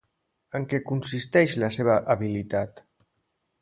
En què consisteix la seva habilitat?